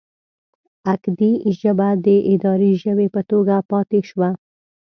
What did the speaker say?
اکدي ژبه د اداري ژبې په توګه پاتې شوه.